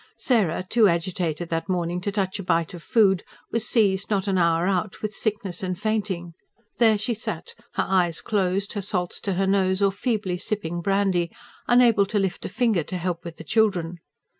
Sarah, too agitated that morning to touch a bite of food, was seized, not an hour out, with sickness and fainting. There she sat, her eyes closed, her salts to her nose or feebly sipping brandy, unable to lift a finger to help with the children.